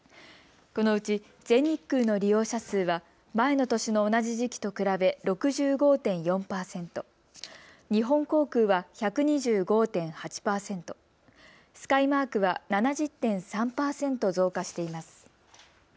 このうち全日空の利用者数は前の年の同じ時期と比べ６５．４％、日本航空は１２５．８％、スカイマークは７０．３％増加しています。